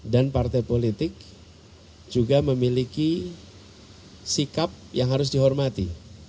dan partai politik juga memiliki sikap yang harus dihormati